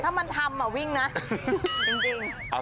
ถ้ามันทำวิ่งนะ